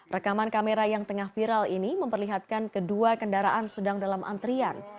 rekaman kamera yang tengah viral ini memperlihatkan kedua kendaraan sedang dalam antrian